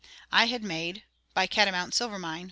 I had made By Catamount Silver Mine.....................